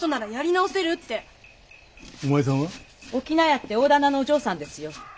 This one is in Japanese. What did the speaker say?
翁屋って大店のお嬢さんですよ。